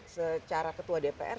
secara ketua dpr